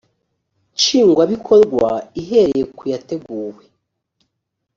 nshingwabikorwa ihereye ku yateguwe